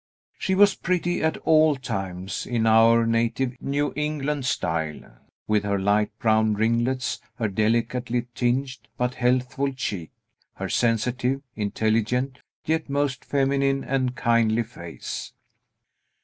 She was pretty at all times, in our native New England style, with her light brown ringlets, her delicately tinged, but healthful cheek, her sensitive, intelligent, yet most feminine and kindly face.